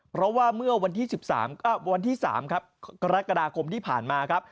เพราะว่าเมื่อวันที่๓กรกฎาคมที่ผ่านมา